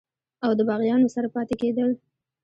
او دَباغيانو سره پاتې کيدل